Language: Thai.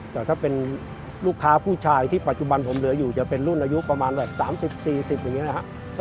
แต่ถ้าเป็นลูกค้าผู้ชายที่ปัจจุบันผมเหลืออยู่จะเป็นรุ่นอายุประมาณแบบ๓๐๔๐อย่างนี้นะครับ